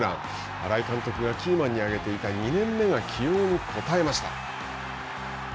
新井監督がキーマンに挙げていた２年目が起用に応えました。